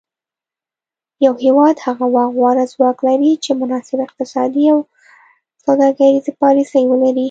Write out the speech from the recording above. یو هیواد هغه وخت غوره ځواک لري چې مناسب اقتصادي او سوداګریزې پالیسي ولري